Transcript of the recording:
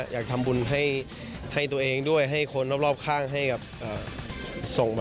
อยากทำบุญให้ตัวเองด้วยให้คนรอบข้างให้กับส่งมา